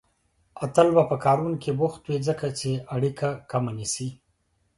اتل به په کارونو کې بوخت وي، ځکه چې اړيکه کمه نيسي